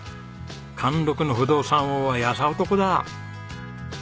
貫禄の不動産王は優男だ。